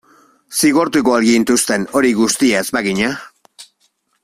Zigortuko al gintuzten hori guztia ez bagina?